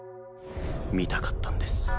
見たかったんです